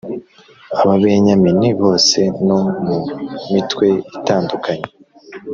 Ababenyamini bose no mu mitwe itandukanye